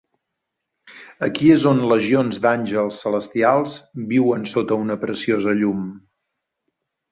Aquí és on legions d'àngels celestials viuen sota una preciosa llum.